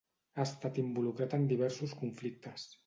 Ha estat involucrat en diversos conflictes.